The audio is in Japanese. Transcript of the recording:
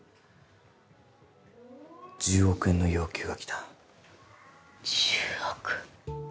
１０億円の要求が来た１０億！？